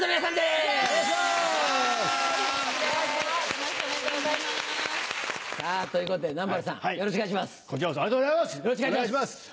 さぁということで南原さんよろしくお願いします。